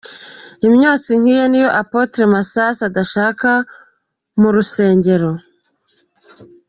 Imyotsi nk'iyi niyo Apotre Masasu adashaka mu rusengero.